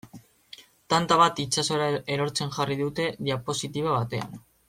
Tanta bat itsasora erortzen jarri dute diapositiba batean.